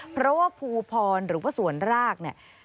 เพราะว่าภูพรหรือว่าส่วนราก